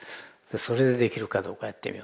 それでできるかどうかやってみよう。